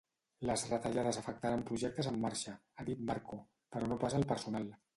Les retallades afectaran projectes en marxa –ha dit Marco– però no pas el personal.